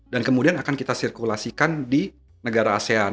dan kemudian akan kita sirkulasikan di negara asean